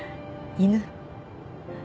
犬？